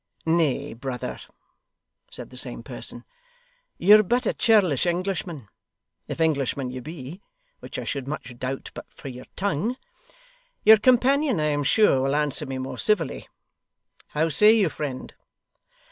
'Nay, brother,' said the same person, 'you're but a churlish Englishman, if Englishman you be which I should much doubt but for your tongue. Your companion, I am sure, will answer me more civilly. How say you, friend?